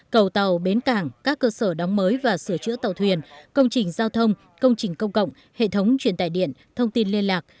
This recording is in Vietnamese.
cầu tàu bến cảng các cơ sở đóng mới và sửa chữa tàu thuyền công trình giao thông công trình công cộng hệ thống truyền tài điện thông tin liên lạc